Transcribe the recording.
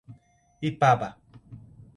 Ipaba